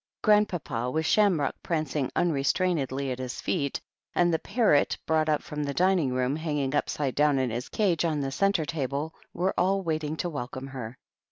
Grandpapa, with Shamrock prancing unrestainedly at his feet, and the parrot, brought up from the dining room, hanging upside down in his cage on the centre table, were all waiting to welcome her.